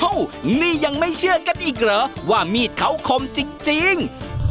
นี่ยังไม่เชื่อกันอีกเหรอว่ามีดเขาคมจริง